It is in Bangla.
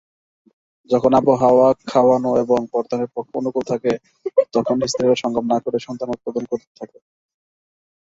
যখন আবহাওয়া খাওয়ানো এবং বর্ধনের পক্ষে অনুকূল থকে তখন স্ত্রীরা সঙ্গম না করেই সন্তান উৎপাদন করতে থাকে।